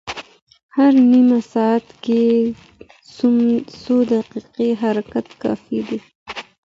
هر نیم ساعت کې څو دقیقې حرکت کافي دی.